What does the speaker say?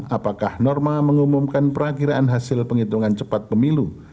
dua apakah norma mengumumkan perakiran hasil penghitungan cepat pemilu